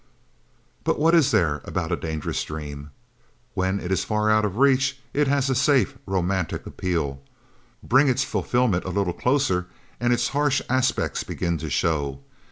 But what is there about a dangerous dream? When it is far out of reach, it has a safe, romantic appeal. Bring its fulfillment a little closer, and its harsh aspects begin to show.